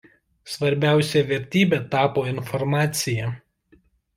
Svarbiausia vertybe tapo informacija.